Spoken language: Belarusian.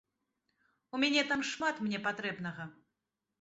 У мяне там шмат мне патрэбнага.